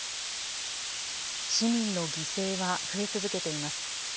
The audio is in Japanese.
市民の犠牲は増え続けています。